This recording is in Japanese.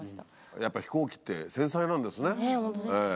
やっぱ飛行機って繊細なんですね。